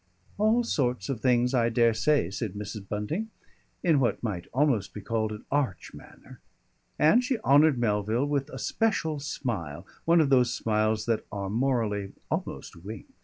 "All sorts of things, I dare say," said Mrs. Bunting, in what might almost be called an arch manner. And she honoured Melville with a special smile one of those smiles that are morally almost winks.